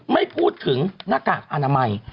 ไม่พูดถึงหน้ากากอนามัย